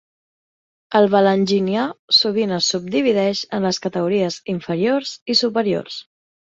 El Valanginià sovint es subdivideix en les categories inferiors i superiors